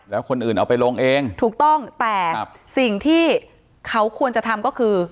แล้วคนอื่นเอาไปลงเองถูกต้องแต่สิ่งที่เขาควรจะทำก็คือ